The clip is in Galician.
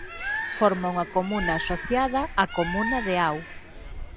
Forma unha comuna asociada á comuna de Hao.